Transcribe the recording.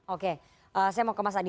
oke saya mau ke mas adi